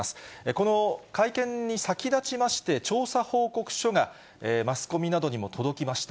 この会見に先立ちまして、調査報告書がマスコミなどにも届きました。